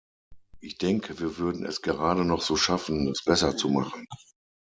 Ich denke, wir würden es gerade noch so schaffen, das besser zu machen.